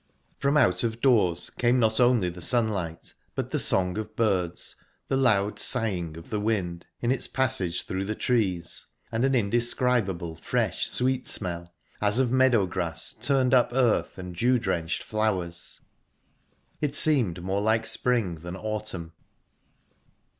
From out of doors came not only the sunlight but the song of birds, the loud sighing of the wind in its passage through the trees, and an indescribable fresh, sweet smell, as of meadow grass, turned up earth, and dew drenched flowers. It seemed more like spring than autumn.